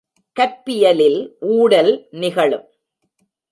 கற்பியலில் ஊடல் நிகழும்.